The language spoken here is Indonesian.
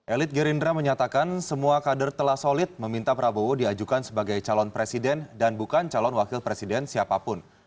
elit gerindra menyatakan semua kader telah solid meminta prabowo diajukan sebagai calon presiden dan bukan calon wakil presiden siapapun